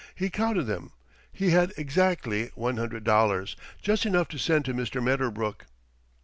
He counted them. He had exactly one hundred dollars, just enough to send to Mr. Medderbrook.